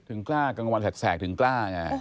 ถึงกล้ากังวลแสดถึงกล้าอย่างนี้